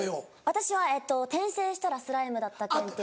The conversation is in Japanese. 私は『転生したらスライムだった件』という。